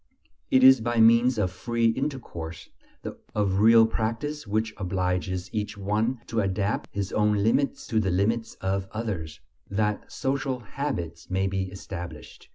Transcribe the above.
It is by means of free intercourse, of real practise which obliges each one to adapt his own limits to the limits of others, that social "habits" may be established.